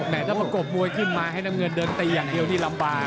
ถ้าประกบมวยขึ้นมาให้น้ำเงินเดินตีอย่างเดียวนี่ลำบาก